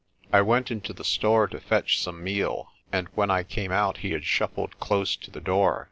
I went into the store to fetch some meal, and when I came out he had shuffled close to the door.